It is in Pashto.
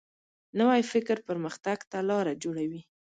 نوی فکر پرمختګ ته لاره جوړوي